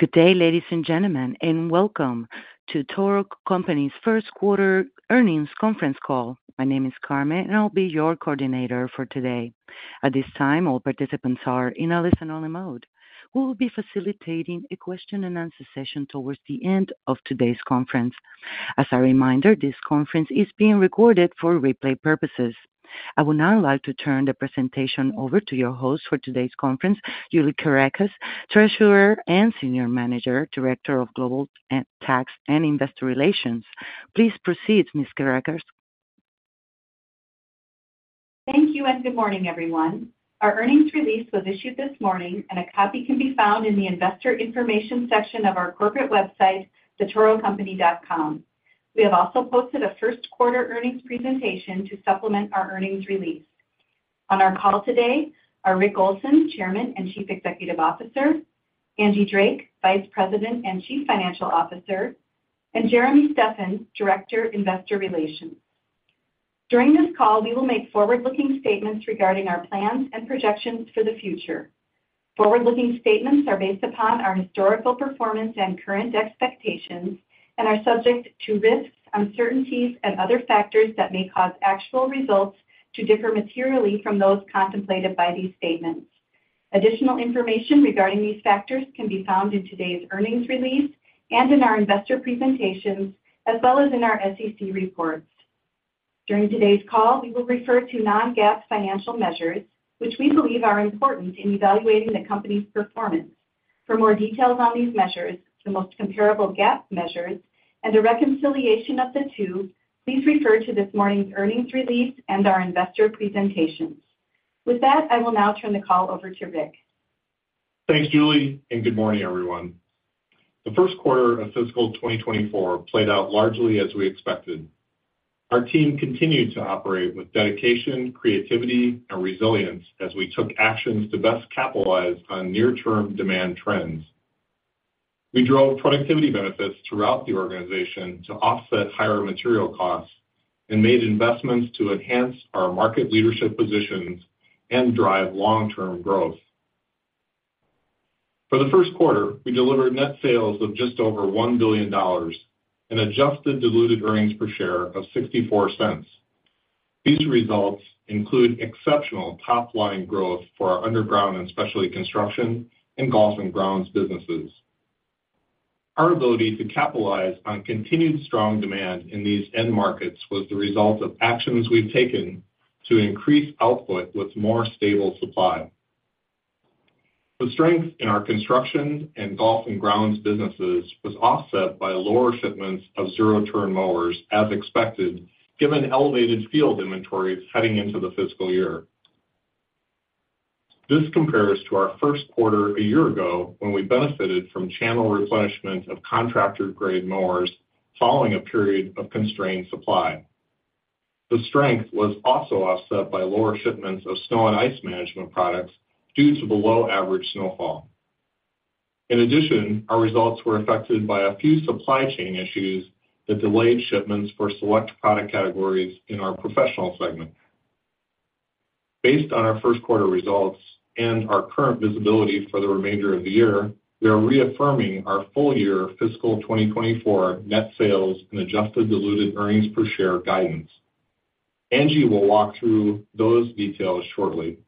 Good day, ladies and gentlemen, and welcome to Toro Company's first quarter earnings conference call. My name is Carmen, and I'll be your coordinator for today. At this time, all participants are in a listen only mode. We will be facilitating a question and answer session toward the end of today's conference. As a reminder, this conference is being recorded for replay purposes. I would now like to turn the presentation over to your host for today's conference, Julie Kerekes, Treasurer and Senior Managing Director, Global Tax and Investor Relations. Please proceed, Ms. Kerekes. Thank you, and good morning, everyone. Our earnings release was issued this morning, and a copy can be found in the Investor Information section of our corporate website, thetorocompany.com. We have also posted a first quarter earnings presentation to supplement our earnings release. On our call today are Rick Olson, Chairman and Chief Executive Officer, Angie Drake, Vice President and Chief Financial Officer, and Jeremy Steffan, Director, Investor Relations. During this call, we will make forward-looking statements regarding our plans and projections for the future. Forward-looking statements are based upon our historical performance and current expectations, and are subject to risks, uncertainties, and other factors that may cause actual results to differ materially from those contemplated by these statements. Additional information regarding these factors can be found in today's earnings release and in our investor presentations, as well as in our SEC reports. During today's call, we will refer to Non-GAAP financial measures, which we believe are important in evaluating the company's performance. For more details on these measures, the most comparable GAAP measures, and a reconciliation of the two, please refer to this morning's earnings release and our investor presentations. With that, I will now turn the call over to Rick. Thanks, Julie, and good morning, everyone. The first quarter of fiscal 2024 played out largely as we expected. Our team continued to operate with dedication, creativity, and resilience as we took actions to best capitalize on near-term demand trends. We drove productivity benefits throughout the organization to offset higher material costs and made investments to enhance our market leadership positions and drive long-term growth. For the first quarter, we delivered net sales of just over $1 billion and adjusted diluted earnings per share of $0.64. These results include exceptional top-line growth for our underground and specialty construction and golf and grounds businesses. Our ability to capitalize on continued strong demand in these end markets was the result of actions we've taken to increase output with more stable supply. The strength in our construction and golf and grounds businesses was offset by lower shipments of zero-turn mowers as expected, given elevated field inventories heading into the fiscal year. This compares to our first quarter a year ago when we benefited from channel replenishment of contractor-grade mowers following a period of constrained supply. The strength was also offset by lower shipments of snow and ice management products due to below-average snowfall. In addition, our results were affected by a few supply chain issues that delayed shipments for select product categories in our professional segment. Based on our first quarter results and our current visibility for the remainder of the year, we are reaffirming our full-year fiscal 2024 net sales and adjusted diluted earnings per share guidance. Angie will walk through those details shortly.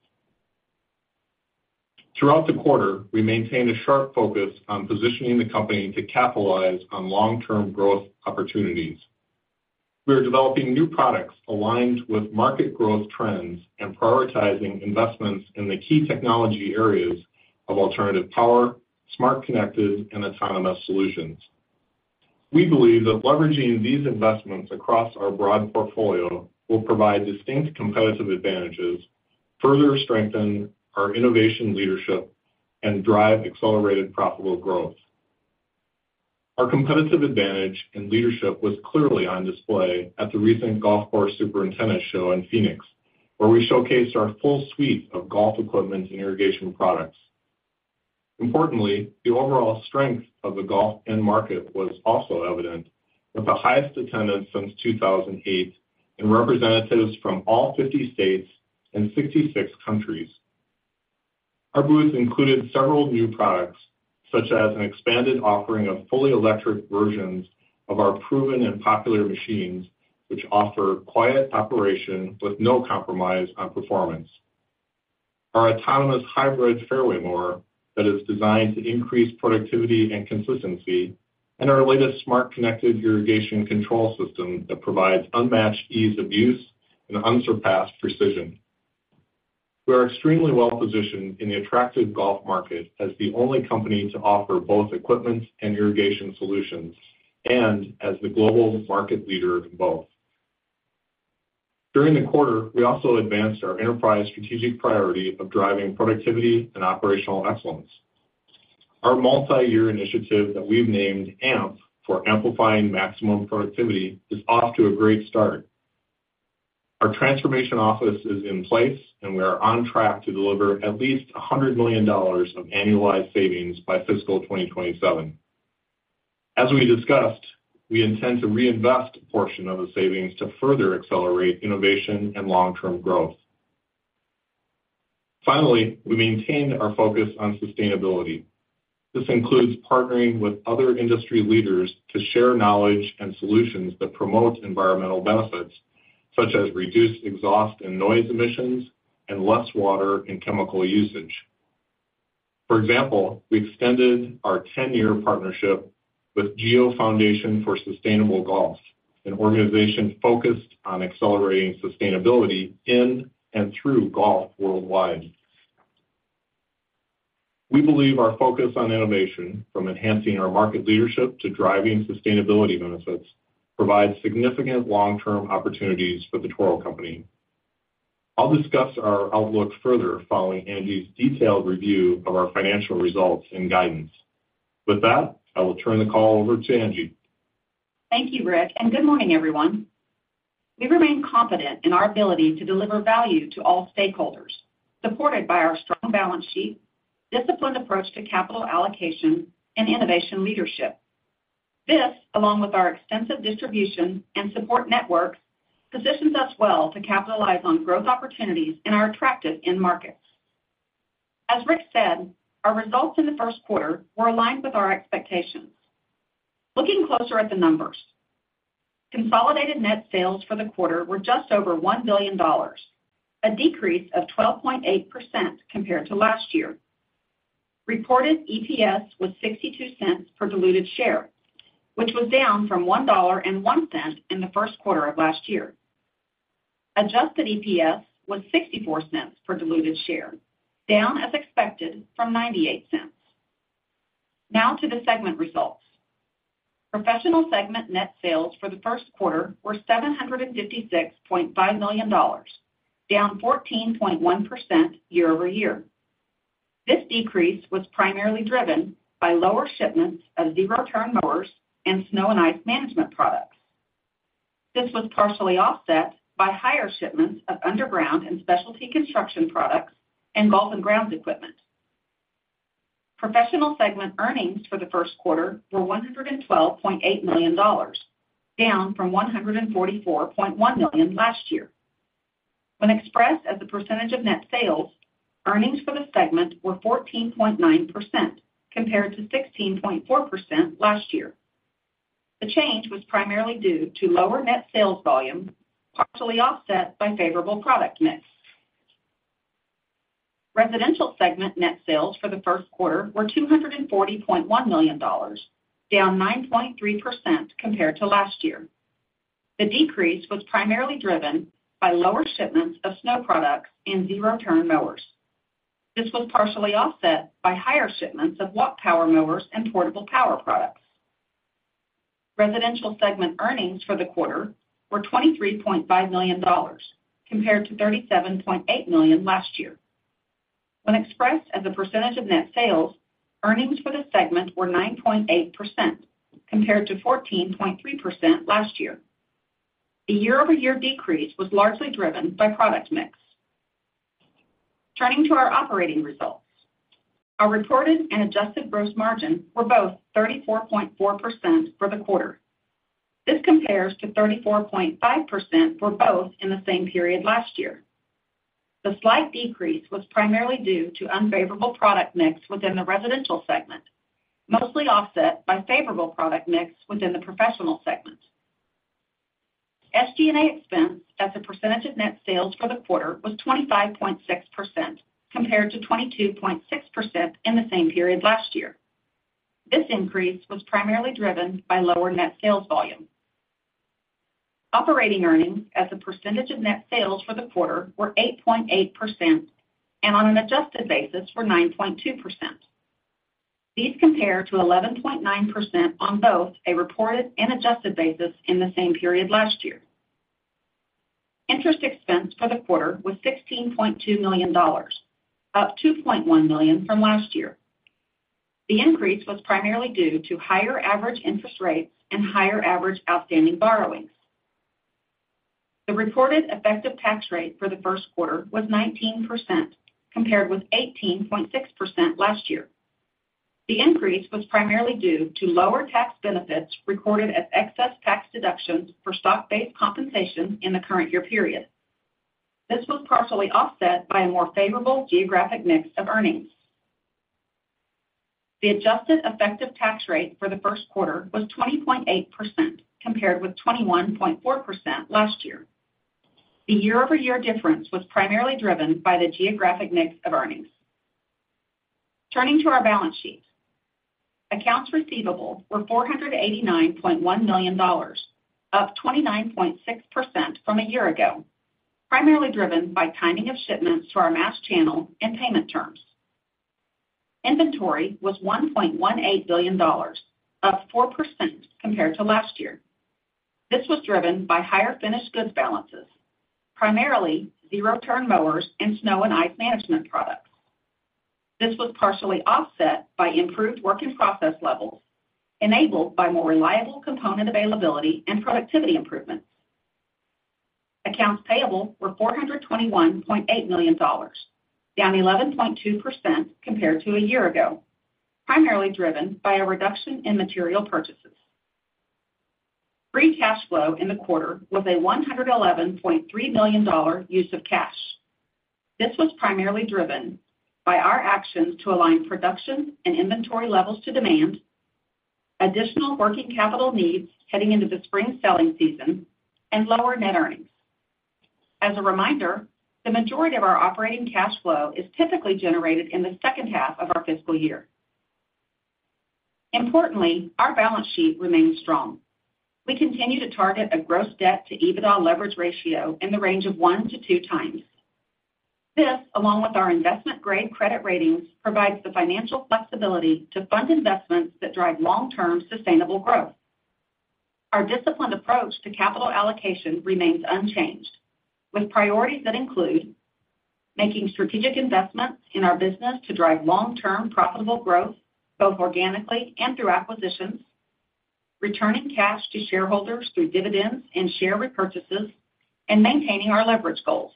Throughout the quarter, we maintained a sharp focus on positioning the company to capitalize on long-term growth opportunities. We are developing new products aligned with market growth trends and prioritizing investments in the key technology areas of alternative power, smart connected, and autonomous solutions. We believe that leveraging these investments across our broad portfolio will provide distinct competitive advantages, further strengthen our innovation leadership, and drive accelerated profitable growth. Our competitive advantage and leadership was clearly on display at the recent Golf Course Superintendent's Show in Phoenix, where we showcased our full suite of golf equipment and irrigation products. Importantly, the overall strength of the golf end market was also evident, with the highest attendance since 2008 and representatives from all 50 states and 66 countries. Our booth included several new products, such as an expanded offering of fully electric versions of our proven and popular machines, which offer quiet operation with no compromise on performance. Our autonomous hybrid fairway mower that is designed to increase productivity and consistency, and our latest smart connected irrigation control system that provides unmatched ease of use and unsurpassed precision. We are extremely well-positioned in the attractive golf market as the only company to offer both equipment and irrigation solutions and as the global market leader in both. During the quarter, we also advanced our enterprise strategic priority of driving productivity and operational excellence. Our multi-year initiative that we've named AMP for Amplifying Maximum Productivity is off to a great start. Our transformation office is in place, and we are on track to deliver at least $100 million of annualized savings by fiscal 2027. As we discussed, we intend to reinvest a portion of the savings to further accelerate innovation and long-term growth. Finally, we maintained our focus on sustainability. This includes partnering with other industry leaders to share knowledge and solutions that promote environmental benefits, such as reduced exhaust and noise emissions and less water and chemical usage. For example, we extended our 10-year partnership with GEO Foundation for Sustainable Golf, an organization focused on accelerating sustainability in and through golf worldwide. We believe our focus on innovation, from enhancing our market leadership to driving sustainability benefits, provides significant long-term opportunities for the Toro Company. I'll discuss our outlook further following Angie's detailed review of our financial results and guidance. With that, I will turn the call over to Angie. Thank you, Rick, and good morning, everyone. We remain confident in our ability to deliver value to all stakeholders, supported by our strong balance sheet, disciplined approach to capital allocation, and innovation leadership. This, along with our extensive distribution and support networks, positions us well to capitalize on growth opportunities in our attractive end markets. As Rick said, our results in the first quarter were aligned with our expectations. Looking closer at the numbers, consolidated net sales for the quarter were just over $1 billion, a decrease of 12.8% compared to last year. Reported EPS was $0.62 per diluted share, which was down from $1.01 in the first quarter of last year. Adjusted EPS was $0.64 per diluted share, down as expected from $0.98. Now to the segment results. Professional segment net sales for the first quarter were $756.5 million, down 14.1% year-over-year. This decrease was primarily driven by lower shipments of zero-turn mowers and snow and ice management products. This was partially offset by higher shipments of underground and specialty construction products and golf and grounds equipment. Professional segment earnings for the first quarter were $112.8 million, down from $144.1 million last year. When expressed as a percentage of net sales, earnings for the segment were 14.9% compared to 16.4% last year. The change was primarily due to lower net sales volume, partially offset by favorable product mix. Residential segment net sales for the first quarter were $240.1 million, down 9.3% compared to last year. The decrease was primarily driven by lower shipments of snow products and zero-turn mowers. This was partially offset by higher shipments of walk power mowers and portable power products. Residential segment earnings for the quarter were $23.5 million compared to $37.8 million last year. When expressed as a percentage of net sales, earnings for the segment were 9.8% compared to 14.3% last year. The year-over-year decrease was largely driven by product mix. Turning to our operating results, our reported and adjusted gross margin were both 34.4% for the quarter. This compares to 34.5% for both in the same period last year. The slight decrease was primarily due to unfavorable product mix within the residential segment, mostly offset by favorable product mix within the professional segment. SG&A expense as a percentage of net sales for the quarter was 25.6% compared to 22.6% in the same period last year. This increase was primarily driven by lower net sales volume. Operating earnings as a percentage of net sales for the quarter were 8.8% and on an adjusted basis were 9.2%. These compare to 11.9% on both a reported and adjusted basis in the same period last year. Interest expense for the quarter was $16.2 million, up $2.1 million from last year. The increase was primarily due to higher average interest rates and higher average outstanding borrowings. The reported effective tax rate for the first quarter was 19% compared with 18.6% last year. The increase was primarily due to lower tax benefits recorded as excess tax deductions for stock-based compensation in the current year period. This was partially offset by a more favorable geographic mix of earnings. The adjusted effective tax rate for the first quarter was 20.8% compared with 21.4% last year. The year-over-year difference was primarily driven by the geographic mix of earnings. Turning to our balance sheet, accounts receivable were $489.1 million, up 29.6% from a year ago, primarily driven by timing of shipments to our mass channel and payment terms. Inventory was $1.18 billion, up 4% compared to last year. This was driven by higher finished goods balances, primarily zero-turn mowers and snow and ice management products. This was partially offset by improved working process levels, enabled by more reliable component availability and productivity improvements. Accounts payable were $421.8 million, down 11.2% compared to a year ago, primarily driven by a reduction in material purchases. Free cash flow in the quarter was a $111.3 million use of cash. This was primarily driven by our actions to align production and inventory levels to demand, additional working capital needs heading into the spring selling season, and lower net earnings. As a reminder, the majority of our operating cash flow is typically generated in the second half of our fiscal year. Importantly, our balance sheet remains strong. We continue to target a gross debt-to-EBITDA leverage ratio in the range of one to two times. This, along with our investment-grade credit ratings, provides the financial flexibility to fund investments that drive long-term sustainable growth. Our disciplined approach to capital allocation remains unchanged, with priorities that include making strategic investments in our business to drive long-term profitable growth, both organically and through acquisitions, returning cash to shareholders through dividends and share repurchases, and maintaining our leverage goals.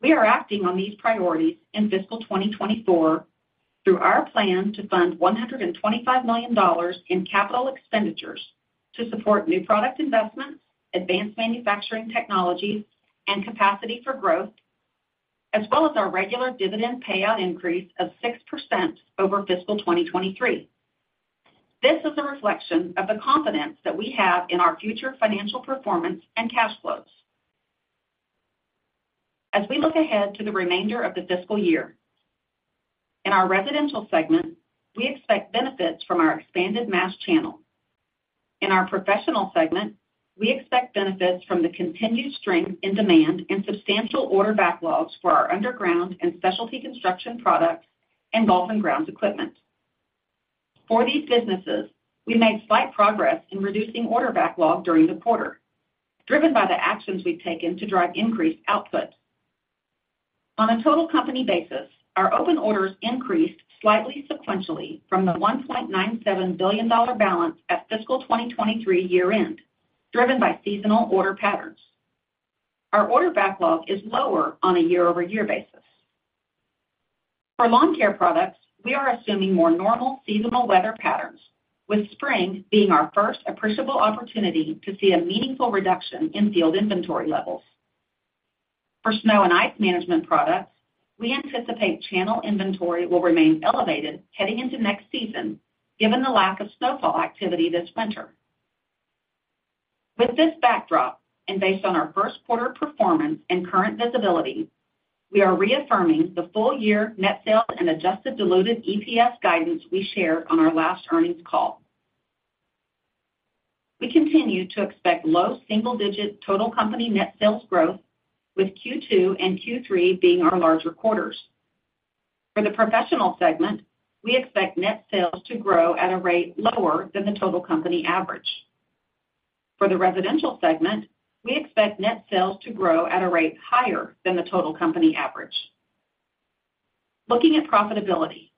We are acting on these priorities in fiscal 2024 through our plan to fund $125 million in capital expenditures to support new product investments, advanced manufacturing technologies, and capacity for growth, as well as our regular dividend payout increase of 6% over fiscal 2023. This is a reflection of the confidence that we have in our future financial performance and cash flows. As we look ahead to the remainder of the fiscal year, in our residential segment, we expect benefits from our expanded mass channel. In our professional segment, we expect benefits from the continued strength in demand and substantial order backlogs for our underground and specialty construction products and golf and grounds equipment. For these businesses, we made slight progress in reducing order backlog during the quarter, driven by the actions we've taken to drive increased output. On a total company basis, our open orders increased slightly sequentially from the $1.97 billion balance at fiscal 2023 year-end, driven by seasonal order patterns. Our order backlog is lower on a year-over-year basis. For lawn care products, we are assuming more normal seasonal weather patterns, with spring being our first appreciable opportunity to see a meaningful reduction in field inventory levels. For snow and ice management products, we anticipate channel inventory will remain elevated heading into next season, given the lack of snowfall activity this winter. With this backdrop and based on our first quarter performance and current visibility, we are reaffirming the full-year net sales and adjusted diluted EPS guidance we shared on our last earnings call. We continue to expect low single-digit total company net sales growth, with Q2 and Q3 being our larger quarters. For the professional segment, we expect net sales to grow at a rate lower than the total company average. For the residential segment, we expect net sales to grow at a rate higher than the total company average. Looking at profitability,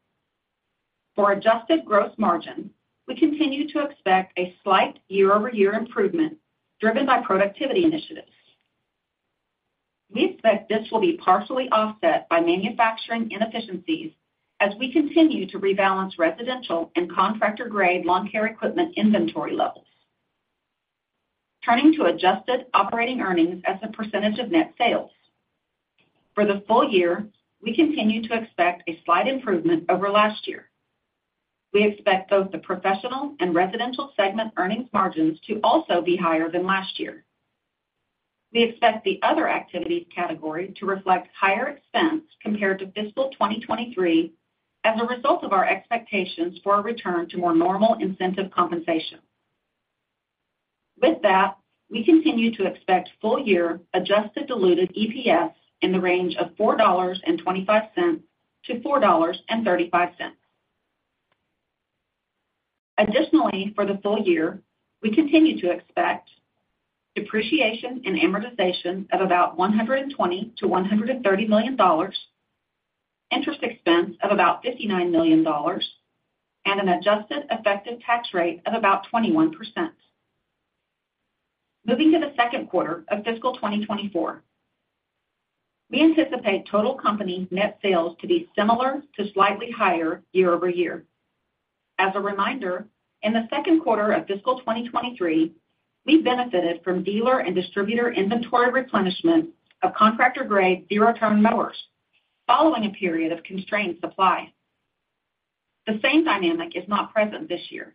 for adjusted gross margin, we continue to expect a slight year-over-year improvement driven by productivity initiatives. We expect this will be partially offset by manufacturing inefficiencies as we continue to rebalance residential and contractor-grade lawn care equipment inventory levels. Turning to adjusted operating earnings as a percentage of net sales, for the full year, we continue to expect a slight improvement over last year. We expect both the professional and residential segment earnings margins to also be higher than last year. We expect the other activities category to reflect higher expense compared to fiscal 2023 as a result of our expectations for a return to more normal incentive compensation. With that, we continue to expect full-year adjusted diluted EPS in the range of $4.25-$4.35. Additionally, for the full year, we continue to expect depreciation and amortization of about $120-$130 million, interest expense of about $59 million, and an adjusted effective tax rate of about 21%. Moving to the second quarter of fiscal 2024, we anticipate total company net sales to be similar to slightly higher year-over-year. As a reminder, in the second quarter of fiscal 2023, we benefited from dealer and distributor inventory replenishment of contractor-grade zero-turn mowers following a period of constrained supply. The same dynamic is not present this year.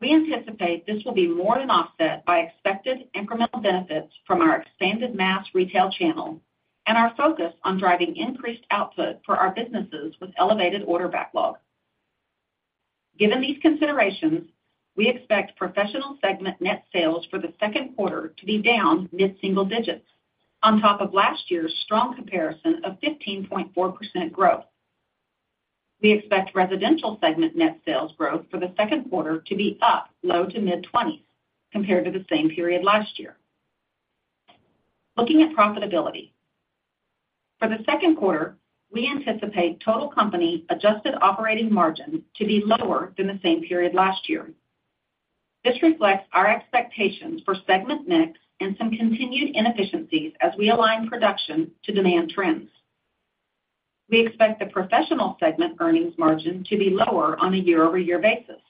We anticipate this will be more than offset by expected incremental benefits from our expanded mass retail channel and our focus on driving increased output for our businesses with elevated order backlog. Given these considerations, we expect professional segment net sales for the second quarter to be down mid-single digits, on top of last year's strong comparison of 15.4% growth. We expect residential segment net sales growth for the second quarter to be up low- to mid-20s compared to the same period last year. Looking at profitability, for the second quarter, we anticipate total company adjusted operating margin to be lower than the same period last year. This reflects our expectations for segment mix and some continued inefficiencies as we align production to demand trends. We expect the Professional segment earnings margin to be lower on a year-over-year basis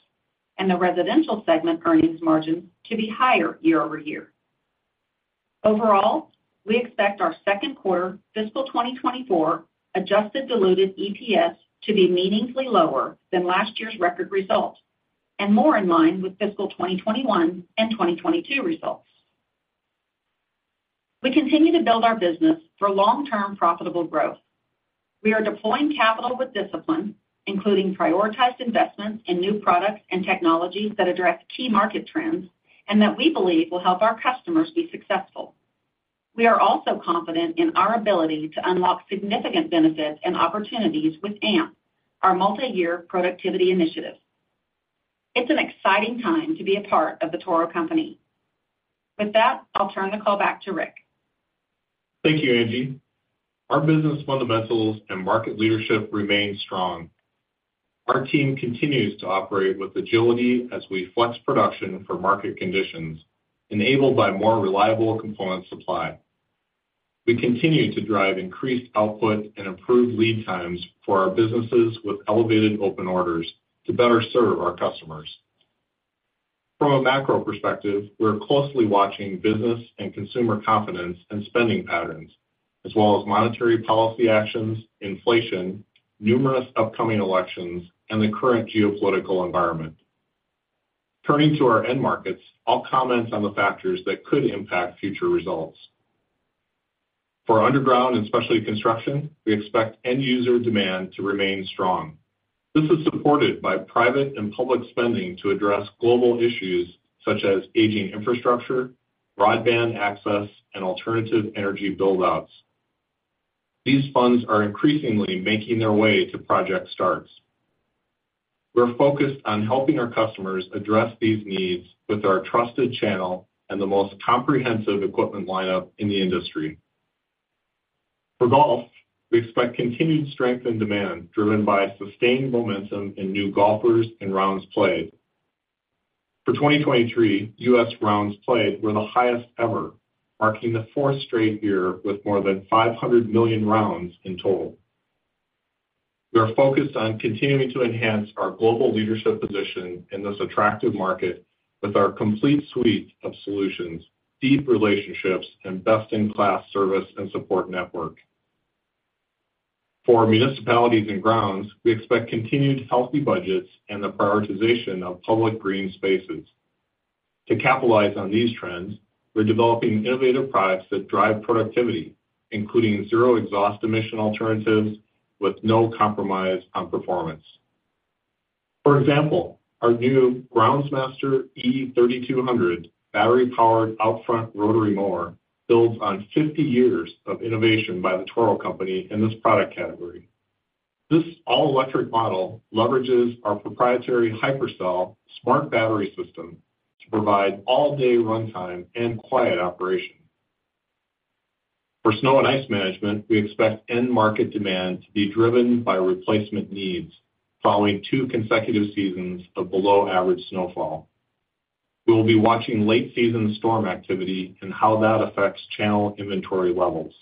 and the Residential segment earnings margin to be higher year-over-year. Overall, we expect our second quarter fiscal 2024 Adjusted diluted EPS to be meaningfully lower than last year's record result and more in line with fiscal 2021 and 2022 results. We continue to build our business for long-term profitable growth. We are deploying capital with discipline, including prioritized investments in new products and technologies that address key market trends and that we believe will help our customers be successful. We are also confident in our ability to unlock significant benefits and opportunities with AMP, our multi-year productivity initiative. It's an exciting time to be a part of The Toro Company. With that, I'll turn the call back to Rick. Thank you, Angie. Our business fundamentals and market leadership remain strong. Our team continues to operate with agility as we flex production for market conditions, enabled by more reliable component supply. We continue to drive increased output and improved lead times for our businesses with elevated open orders to better serve our customers. From a macro perspective, we're closely watching business and consumer confidence and spending patterns, as well as monetary policy actions, inflation, numerous upcoming elections, and the current geopolitical environment. Turning to our end markets, I'll comment on the factors that could impact future results. For underground and specialty construction, we expect end-user demand to remain strong. This is supported by private and public spending to address global issues such as aging infrastructure, broadband access, and alternative energy buildouts. These funds are increasingly making their way to project starts. We're focused on helping our customers address these needs with our trusted channel and the most comprehensive equipment lineup in the industry. For golf, we expect continued strength in demand driven by sustained momentum in new golfers and rounds played. For 2023, U.S. rounds played were the highest ever, marking the fourth straight year with more than 500 million rounds in total. We are focused on continuing to enhance our global leadership position in this attractive market with our complete suite of solutions, deep relationships, and best-in-class service and support network. For municipalities and grounds, we expect continued healthy budgets and the prioritization of public green spaces. To capitalize on these trends, we're developing innovative products that drive productivity, including zero-exhaust emission alternatives with no compromise on performance. For example, our new Groundsmaster e3200 battery-powered outfront rotary mower builds on 50 years of innovation by the Toro Company in this product category. This all-electric model leverages our proprietary HyperCell smart battery system to provide all-day runtime and quiet operation. For snow and ice management, we expect end-market demand to be driven by replacement needs following two consecutive seasons of below-average snowfall. We will be watching late-season storm activity and how that affects channel inventory levels.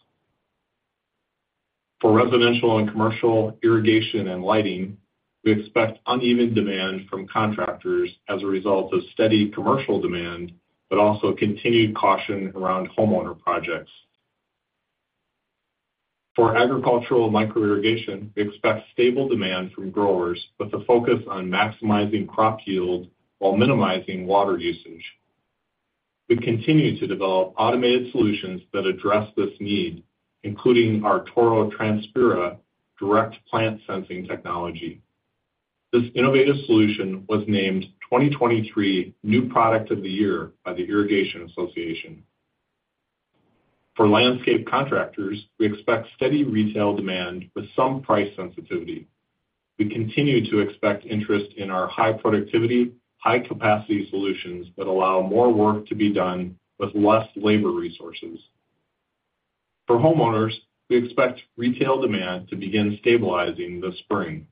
For residential and commercial irrigation and lighting, we expect uneven demand from contractors as a result of steady commercial demand but also continued caution around homeowner projects. For agricultural micro irrigation, we expect stable demand from growers with a focus on maximizing crop yield while minimizing water usage. We continue to develop automated solutions that address this need, including our Toro Transpira direct plant sensing technology. This innovative solution was named 2023 New Product of the Year by the Irrigation Association. For landscape contractors, we expect steady retail demand with some price sensitivity. We continue to expect interest in our high-productivity, high-capacity solutions that allow more work to be done with less labor resources. For homeowners, we expect retail demand to begin stabilizing this spring.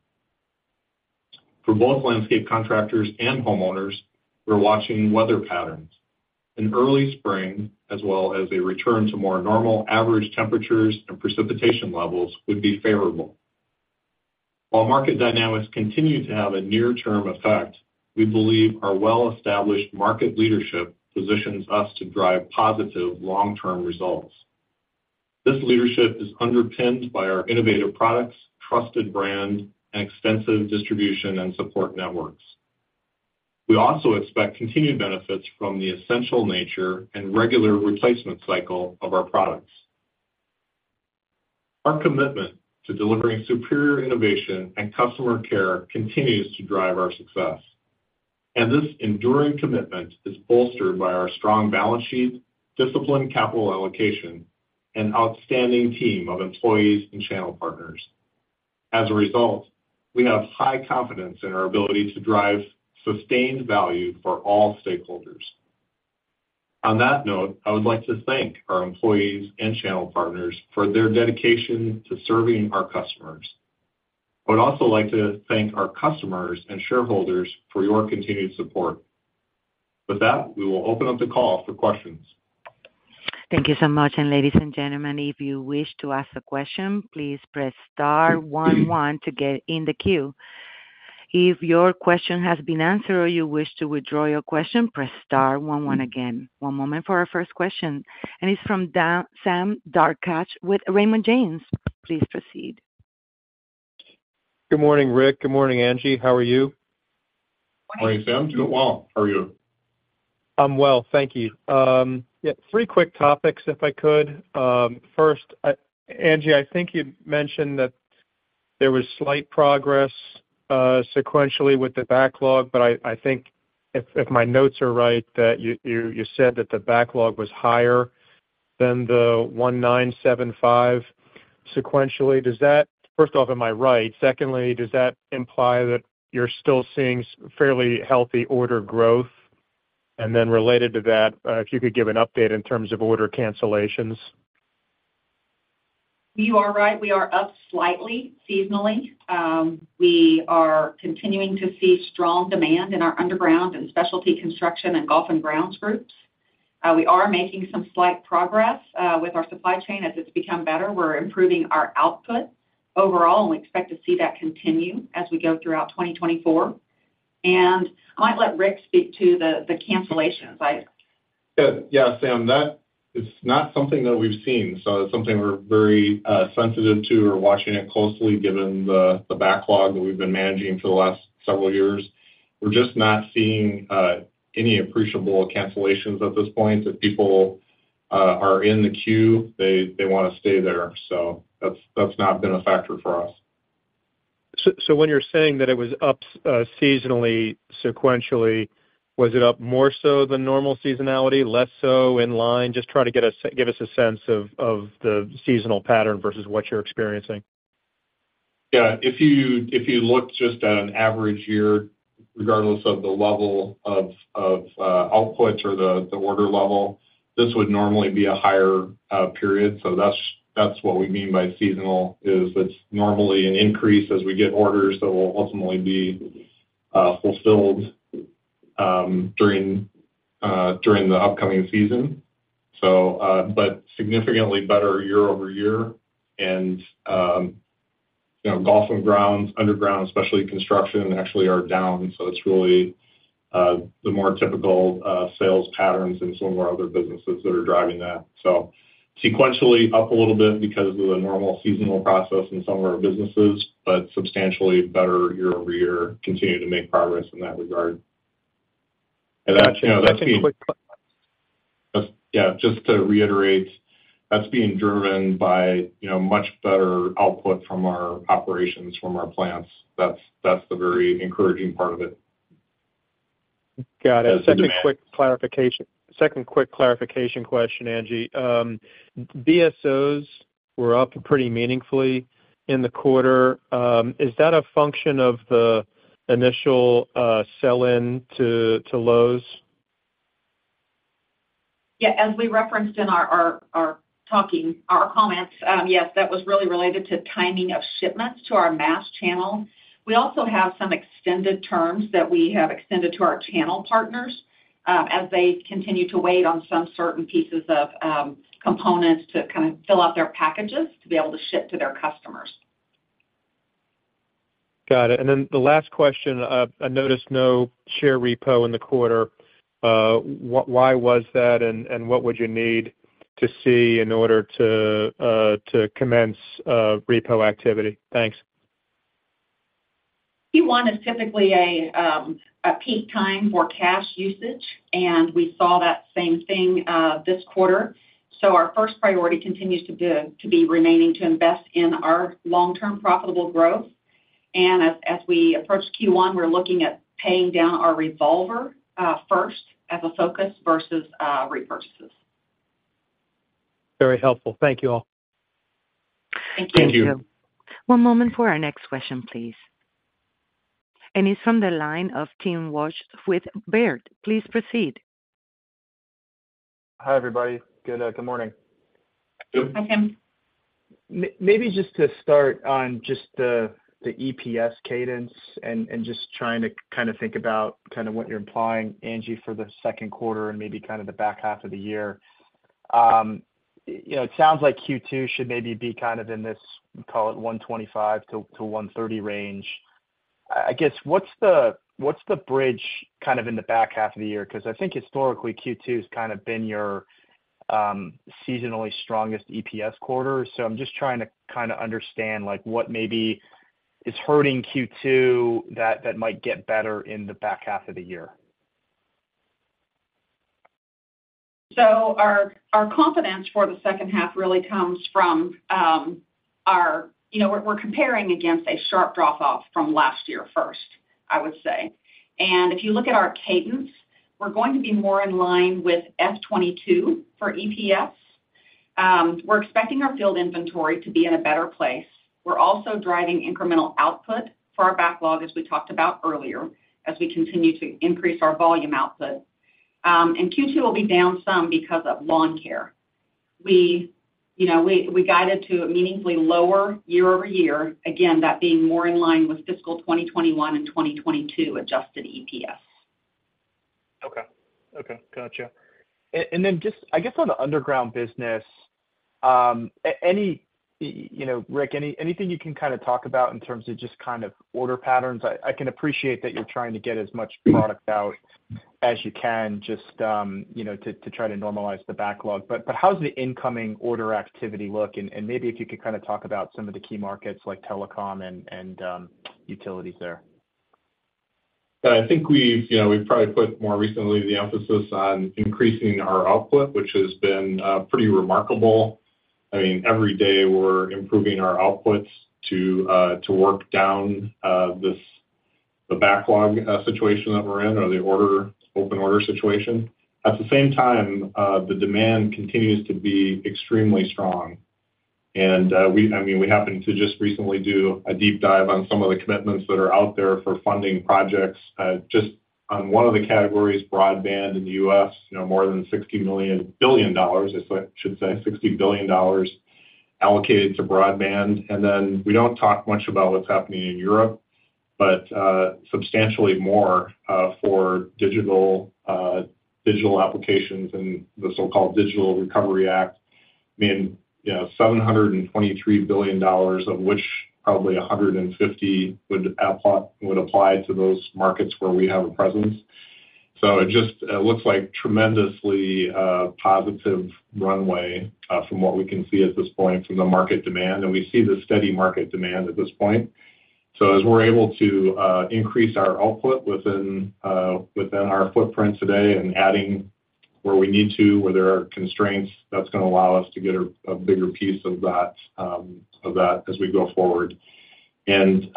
For both landscape contractors and homeowners, we're watching weather patterns. An early spring, as well as a return to more normal average temperatures and precipitation levels, would be favorable. While market dynamics continue to have a near-term effect, we believe our well-established market leadership positions us to drive positive long-term results. This leadership is underpinned by our innovative products, trusted brand, and extensive distribution and support networks. We also expect continued benefits from the essential nature and regular replacement cycle of our products. Our commitment to delivering superior innovation and customer care continues to drive our success, and this enduring commitment is bolstered by our strong balance sheet, disciplined capital allocation, and outstanding team of employees and channel partners. As a result, we have high confidence in our ability to drive sustained value for all stakeholders. On that note, I would like to thank our employees and channel partners for their dedication to serving our customers. I would also like to thank our customers and shareholders for your continued support. With that, we will open up the call for questions. Thank you so much. Ladies and gentlemen, if you wish to ask a question, please press star one one to get in the queue. If your question has been answered or you wish to withdraw your question, press star one one again. One moment for our first question. It's from Sam Darkatsh with Raymond James. Please proceed. Good morning, Rick. Good morning, Angie. How are you? How are you? I'm well. Thank you. Yeah, three quick topics, if I could. First, Angie, I think you mentioned that there was slight progress sequentially with the backlog, but I think if my notes are right, that you said that the backlog was higher than the 1975 sequentially. First off, am I right? Secondly, does that imply that you're still seeing fairly healthy order growth? And then related to that, if you could give an update in terms of order cancellations. You are right. We are up slightly seasonally. We are continuing to see strong demand in our underground and specialty construction and golf and grounds groups. We are making some slight progress with our supply chain. As it's become better, we're improving our output overall, and we expect to see that continue as we go throughout 2024. I might let Rick speak to the cancellations. Yeah, Sam, that is not something that we've seen. So it's something we're very sensitive to. We're watching it closely given the backlog that we've been managing for the last several years. We're just not seeing any appreciable cancellations at this point. If people are in the queue, they want to stay there. So that's not been a factor for us. So when you're saying that it was up seasonally sequentially, was it up more so than normal seasonality, less so in line? Just try to give us a sense of the seasonal pattern versus what you're experiencing. Yeah. If you look just at an average year, regardless of the level of output or the order level, this would normally be a higher period. So that's what we mean by seasonal, is it's normally an increase as we get orders that will ultimately be fulfilled during the upcoming season. But significantly better year-over-year. And golf and grounds, underground, especially construction, actually are down. So it's really the more typical sales patterns in some of our other businesses that are driving that. So sequentially up a little bit because of the normal seasonal process in some of our businesses, but substantially better year-over-year, continue to make progress in that regard. And that's being. That's a quick. Yeah, just to reiterate, that's being driven by much better output from our operations, from our plants. That's the very encouraging part of it. Got it. Second quick clarification question, Angie. BSOs were up pretty meaningfully in the quarter. Is that a function of the initial sell-in to Lowe's? Yeah. As we referenced in our comments, yes, that was really related to timing of shipments to our mass channel. We also have some extended terms that we have extended to our channel partners as they continue to wait on some certain pieces of components to kind of fill out their packages to be able to ship to their customers. Got it. And then the last question, I noticed no share repo in the quarter. Why was that, and what would you need to see in order to commence repo activity? Thanks. Q1 is typically a peak time for cash usage, and we saw that same thing this quarter. Our first priority continues to be remaining to invest in our long-term profitable growth. As we approach Q1, we're looking at paying down our revolver first as a focus versus repurchases. Very helpful. Thank you all. Thank you. Thank you. One moment for our next question, please. It's from the line of Tim Wojs with Baird. Please proceed. Hi, everybody. Good morning. Hi, Tim. Maybe just to start on just the EPS cadence and just trying to kind of think about kind of what you're implying, Angie, for the second quarter and maybe kind of the back half of the year. It sounds like Q2 should maybe be kind of in this, we call it 125-130 range. I guess, what's the bridge kind of in the back half of the year? Because I think historically, Q2 has kind of been your seasonally strongest EPS quarter. So I'm just trying to kind of understand what maybe is hurting Q2 that might get better in the back half of the year. So our confidence for the second half really comes from our comparing against a sharp drop-off from last year first, I would say. If you look at our cadence, we're going to be more in line with F22 for EPS. We're expecting our field inventory to be in a better place. We're also driving incremental output for our backlog, as we talked about earlier, as we continue to increase our volume output. Q2 will be down some because of lawn care. We guided to a meaningfully lower year-over-year, again, that being more in line with fiscal 2021 and 2022 adjusted EPS. Okay. Okay. Gotcha. And then just, I guess, on the underground business, Rick, anything you can kind of talk about in terms of just kind of order patterns? I can appreciate that you're trying to get as much product out as you can just to try to normalize the backlog. But how's the incoming order activity look? And maybe if you could kind of talk about some of the key markets like telecom and utilities there. Yeah. I think we've probably put more recently the emphasis on increasing our output, which has been pretty remarkable. I mean, every day, we're improving our outputs to work down the backlog situation that we're in or the open order situation. At the same time, the demand continues to be extremely strong. And I mean, we happened to just recently do a deep dive on some of the commitments that are out there for funding projects. Just on one of the categories, broadband in the U.S., more than $60 billion, I should say, $60 billion allocated to broadband. And then we don't talk much about what's happening in Europe, but substantially more for digital applications and the so-called Digital Recovery Act. I mean, $723 billion, of which probably $150 billion would apply to those markets where we have a presence. So it just looks like tremendously positive runway from what we can see at this point from the market demand. And we see the steady market demand at this point. So as we're able to increase our output within our footprint today and adding where we need to, where there are constraints, that's going to allow us to get a bigger piece of that as we go forward. And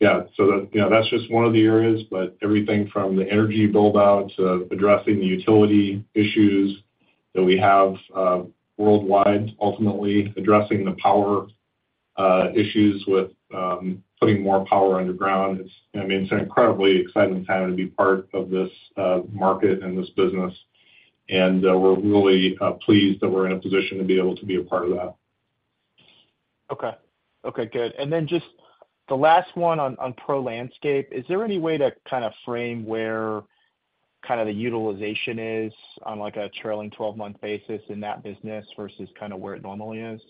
yeah, so that's just one of the areas. But everything from the energy buildout to addressing the utility issues that we have worldwide, ultimately addressing the power issues with putting more power underground. I mean, it's an incredibly exciting time to be part of this market and this business. And we're really pleased that we're in a position to be able to be a part of that. Okay. Okay. Good. And then just the last one on pro-landscape, is there any way to kind of frame where kind of the utilization is on a trailing 12-month basis in that business versus kind of where it normally is?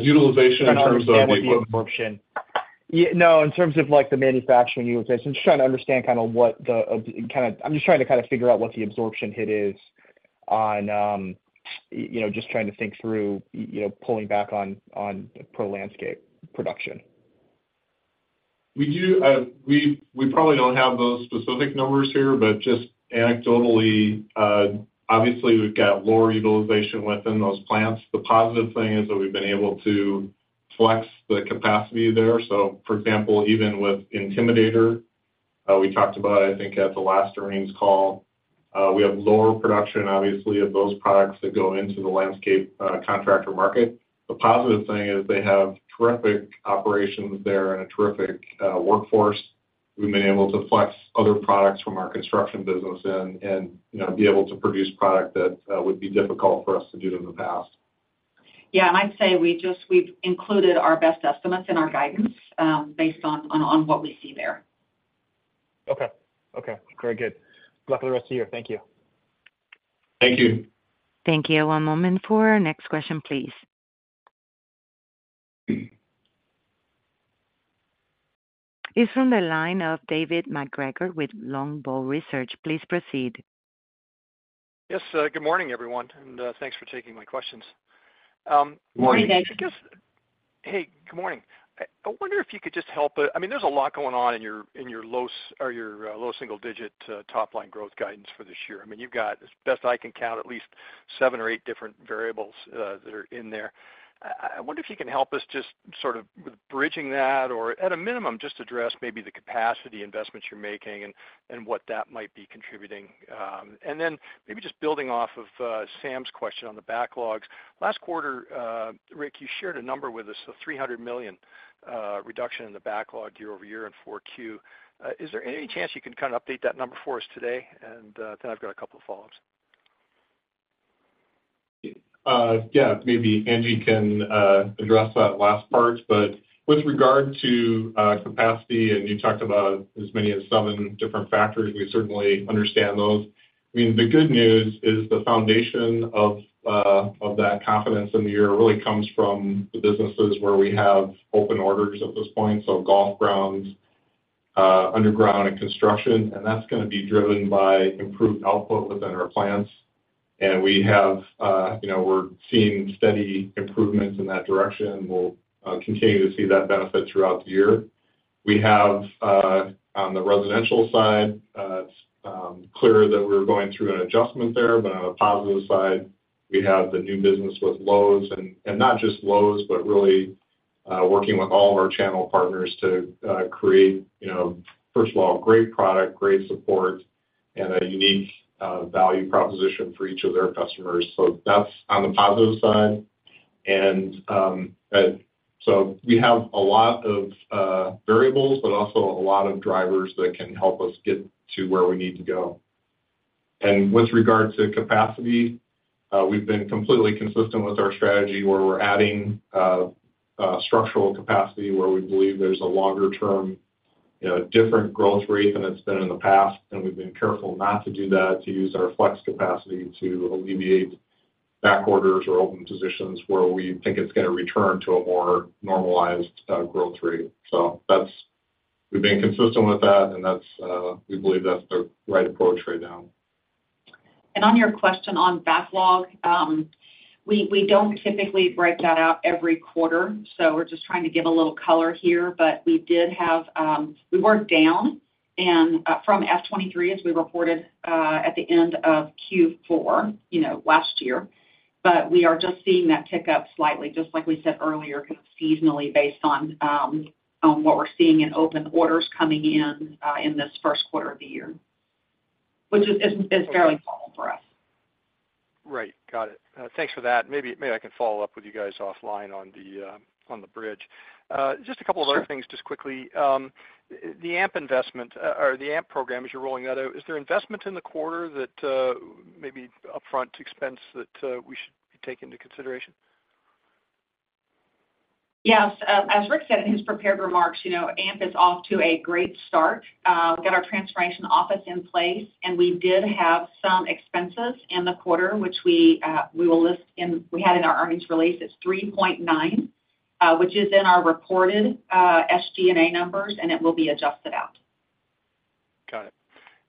Utilization in terms of the absorption? No, in terms of the manufacturing utilization. I'm just trying to kind of figure out what the absorption hit is on just trying to think through pulling back on pro-landscape production. We probably don't have those specific numbers here, but just anecdotally, obviously, we've got lower utilization within those plants. The positive thing is that we've been able to flex the capacity there. So for example, even with Intimidator, we talked about, I think, at the last earnings call, we have lower production, obviously, of those products that go into the landscape contractor market. The positive thing is they have terrific operations there and a terrific workforce. We've been able to flex other products from our construction business in and be able to produce product that would be difficult for us to do in the past. Yeah. I'd say we've included our best estimates in our guidance based on what we see there. Okay. Okay. Very good. Good luck with the rest of your year. Thank you. Thank you. Thank you. One moment for our next question, please. It's from the line of David MacGregor with Longbow Research. Please proceed. Yes. Good morning, everyone. Thanks for taking my questions. Good morning, David. Hey, good morning. I wonder if you could just help us. I mean, there's a lot going on in your low-single-digit top-line growth guidance for this year. I mean, you've got, as best I can count, at least 7 or 8 different variables that are in there. I wonder if you can help us just sort of with bridging that or, at a minimum, just address maybe the capacity investments you're making and what that might be contributing. And then maybe just building off of Sam's question on the backlogs, last quarter, Rick, you shared a number with us, a $300 million reduction in the backlog year-over-year in Q4. Is there any chance you can kind of update that number for us today? And then I've got a couple of follow-ups. Yeah. Maybe Angie can address that last part. But with regard to capacity, and you talked about as many as seven different factors, we certainly understand those. I mean, the good news is the foundation of that confidence in the year really comes from the businesses where we have open orders at this point, so golf grounds, underground, and construction. And that's going to be driven by improved output within our plants. And we're seeing steady improvements in that direction. We'll continue to see that benefit throughout the year. On the residential side, it's clear that we're going through an adjustment there. But on the positive side, we have the new business with Lowe's. And not just Lowe's, but really working with all of our channel partners to create, first of all, great product, great support, and a unique value proposition for each of their customers. That's on the positive side. We have a lot of variables, but also a lot of drivers that can help us get to where we need to go. With regard to capacity, we've been completely consistent with our strategy where we're adding structural capacity where we believe there's a longer-term, different growth rate than it's been in the past. We've been careful not to do that, to use our flex capacity to alleviate back orders or open positions where we think it's going to return to a more normalized growth rate. We've been consistent with that, and we believe that's the right approach right now. On your question on backlog, we don't typically break that out every quarter. So we're just trying to give a little color here. But we were down from F23, as we reported, at the end of Q4 last year. But we are just seeing that pick up slightly, just like we said earlier, kind of seasonally based on what we're seeing in open orders coming in in this first quarter of the year, which is fairly normal for us. Right. Got it. Thanks for that. Maybe I can follow up with you guys offline on the bridge. Just a couple of other things, just quickly. The AMP investment or the AMP program, as you're rolling that out, is there investment in the quarter that maybe upfront expense that we should be taking into consideration? Yes. As Rick said in his prepared remarks, AMP is off to a great start. We've got our transformation office in place, and we did have some expenses in the quarter, which we will list in our earnings release. It's $3.9, which is in our reported SG&A numbers, and it will be adjusted out. Got it.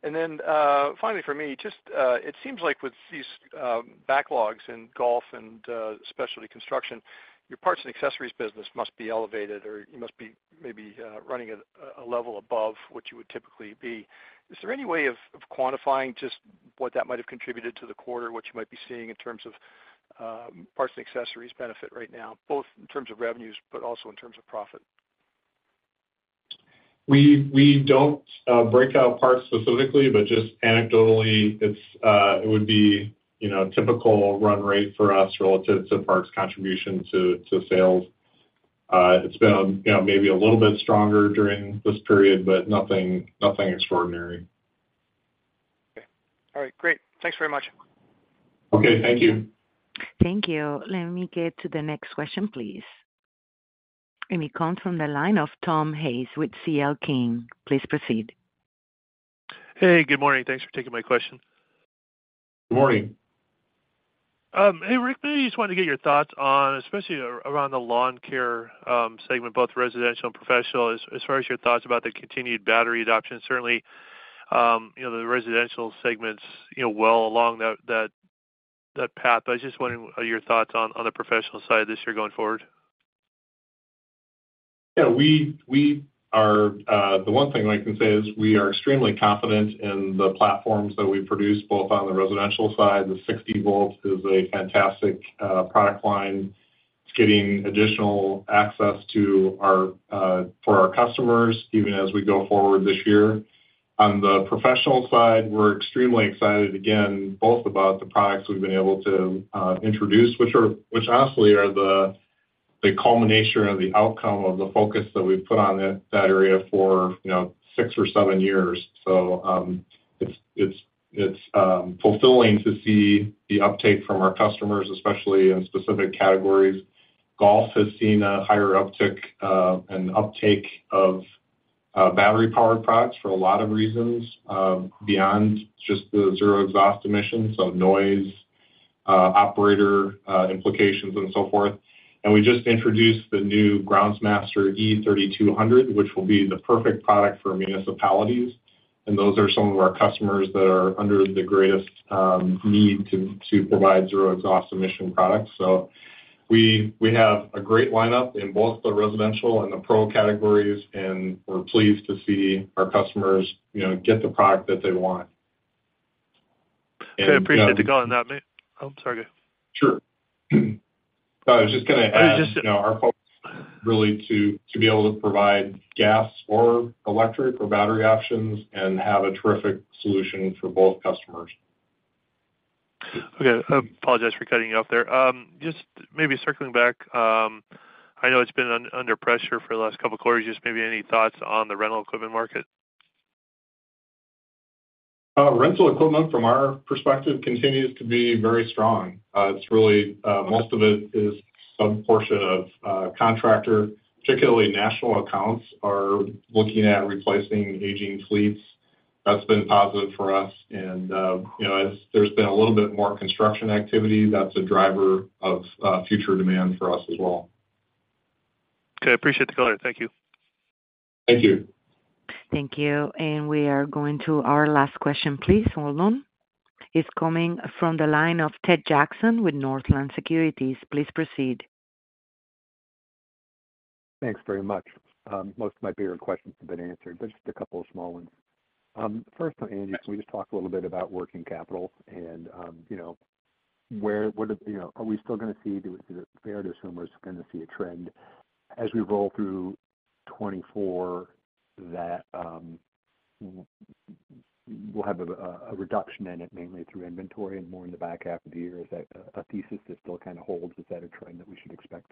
And then finally, for me, it seems like with these backlogs in golf and especially construction, your parts and accessories business must be elevated, or you must be maybe running a level above what you would typically be. Is there any way of quantifying just what that might have contributed to the quarter, what you might be seeing in terms of parts and accessories benefit right now, both in terms of revenues but also in terms of profit? We don't break out parts specifically, but just anecdotally, it would be a typical run rate for us relative to parts contribution to sales. It's been maybe a little bit stronger during this period, but nothing extraordinary. Okay. All right. Great. Thanks very much. Okay. Thank you. Thank you. Let me get to the next question, please. It comes from the line of Tom Hayes with C.L. King. Please proceed. Hey. Good morning. Thanks for taking my question. Good morning. Hey, Rick. Maybe I just wanted to get your thoughts on, especially around the lawn care segment, both residential and professional, as far as your thoughts about the continued battery adoption? Certainly, the residential segment's well along that path. But I was just wondering your thoughts on the professional side of this year going forward. Yeah. The one thing I can say is we are extremely confident in the platforms that we've produced, both on the residential side. The 60-volt is a fantastic product line. It's getting additional access for our customers even as we go forward this year. On the professional side, we're extremely excited, again, both about the products we've been able to introduce, which honestly are the culmination of the outcome of the focus that we've put on that area for six or seven years. So it's fulfilling to see the uptake from our customers, especially in specific categories. Golf has seen a higher uptick and uptake of battery-powered products for a lot of reasons beyond just the zero exhaust emissions, so noise, operator implications, and so forth. And we just introduced the new Groundsmaster e3200, which will be the perfect product for municipalities. Those are some of our customers that are under the greatest need to provide zero exhaust emission products. We have a great lineup in both the residential and the pro categories, and we're pleased to see our customers get the product that they want. I appreciate the call on that, mate. Oh, sorry. Go ahead. Sure. I was just going to add our focus is really to be able to provide gas or electric or battery options and have a terrific solution for both customers. Okay. I apologize for cutting you off there. Just maybe circling back, I know it's been under pressure for the last couple of quarters. Just maybe any thoughts on the rental equipment market? Rental equipment, from our perspective, continues to be very strong. Most of it is subportion of contractor. Particularly, national accounts are looking at replacing aging fleets. That's been positive for us. As there's been a little bit more construction activity, that's a driver of future demand for us as well. Okay. Appreciate the call there. Thank you. Thank you. Thank you. We are going to our last question, please. Hold on. It's coming from the line of Ted Jackson with Northland Securities. Please proceed. Thanks very much. Most of my bigger questions have been answered, but just a couple of small ones. First, Angie, can we just talk a little bit about working capital and where are we still going to see? Is it fair to assume we're going to see a trend as we roll through 2024 that we'll have a reduction in it mainly through inventory and more in the back half of the year? Is that a thesis that still kind of holds? Is that a trend that we should expect?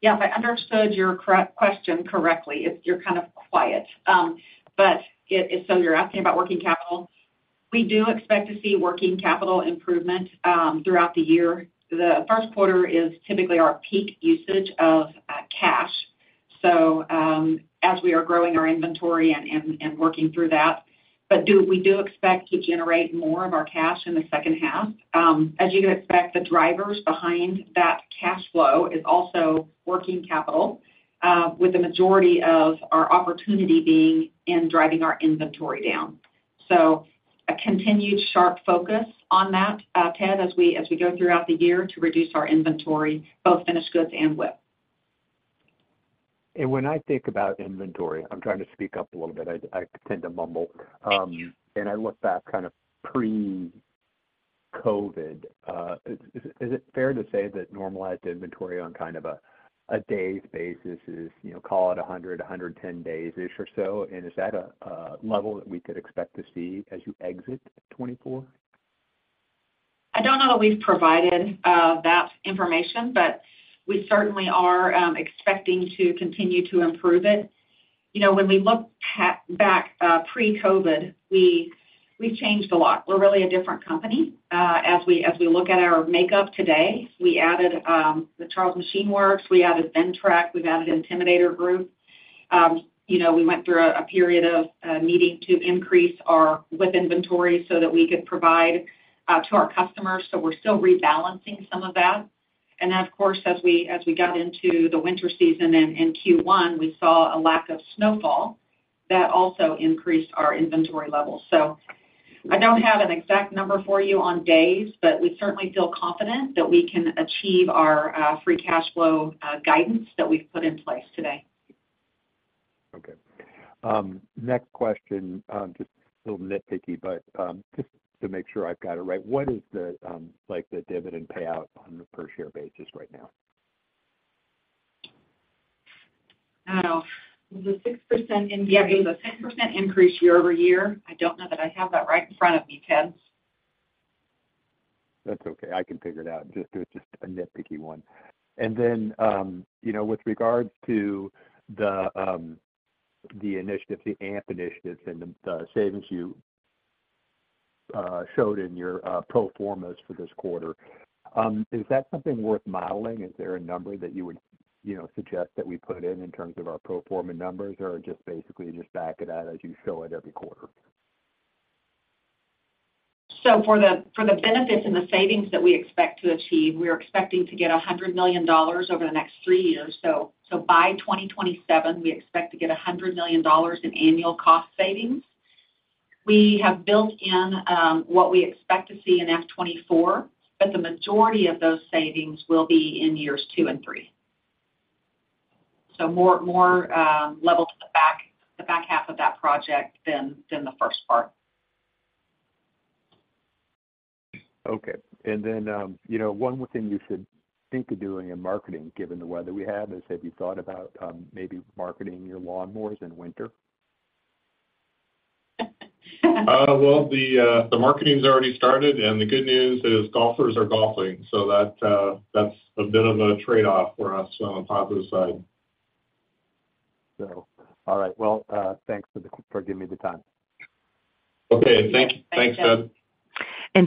Yeah. If I understood your question correctly, you're kind of quiet. So you're asking about working capital. We do expect to see working capital improvement throughout the year. The first quarter is typically our peak usage of cash, so as we are growing our inventory and working through that. But we do expect to generate more of our cash in the second half. As you can expect, the drivers behind that cash flow is also working capital, with the majority of our opportunity being in driving our inventory down. So a continued sharp focus on that, Ted, as we go throughout the year to reduce our inventory, both finished goods and WIP. When I think about inventory, I'm trying to speak up a little bit. I tend to mumble. I look back kind of pre-COVID. Is it fair to say that normalized inventory on kind of a day's basis is, call it, 100, 110 days-ish or so? Is that a level that we could expect to see as you exit 2024? I don't know that we've provided that information, but we certainly are expecting to continue to improve it. When we look back pre-COVID, we've changed a lot. We're really a different company. As we look at our makeup today, we added the Charles Machine Works. We added Ventrac. We've added Intimidator Group. We went through a period of needing to increase our WIP inventory so that we could provide to our customers. So we're still rebalancing some of that. And then, of course, as we got into the winter season in Q1, we saw a lack of snowfall that also increased our inventory levels. So I don't have an exact number for you on days, but we certainly feel confident that we can achieve our free cash flow guidance that we've put in place today. Okay. Next question, just a little nitpicky, but just to make sure I've got it right. What is the dividend payout on a per-share basis right now? Oh. Was it 6% increase? It was a 6% increase year-over-year. I don't know that I have that right in front of me, Ted. That's okay. I can figure it out. It's just a nitpicky one. And then with regards to the AMP initiatives and the savings you showed in your pro formas for this quarter, is that something worth modeling? Is there a number that you would suggest that we put in terms of our pro forma numbers, or just basically back it out as you show it every quarter? So for the benefits and the savings that we expect to achieve, we're expecting to get $100 million over the next three years. So by 2027, we expect to get $100 million in annual cost savings. We have built in what we expect to see in FY 2024, but the majority of those savings will be in years two and three, so more level to the back half of that project than the first part. Okay. And then one thing you should think of doing in marketing, given the weather we have, is have you thought about maybe marketing your lawn mowers in winter? Well, the marketing's already started, and the good news is golfers are golfing. That's a bit of a trade-off for us on the positive side. All right. Well, thanks for giving me the time. Okay. Thanks, Ted.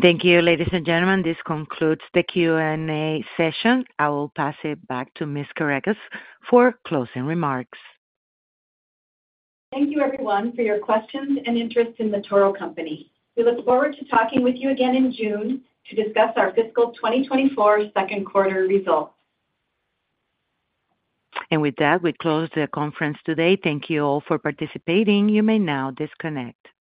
Thank you, ladies and gentlemen. This concludes the Q&A session. I will pass it back to Ms. Kerekes for closing remarks. Thank you, everyone, for your questions and interest in the Toro Company. We look forward to talking with you again in June to discuss our fiscal 2024 second quarter results. With that, we close the conference today. Thank you all for participating. You may now disconnect.